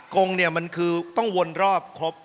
กงเนี่ยมันคือต้องวนรอบครบ